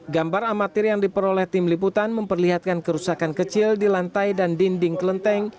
gambar amatir yang diperoleh tim liputan memperlihatkan kerusakan kecil di lantai dan dinding kelenteng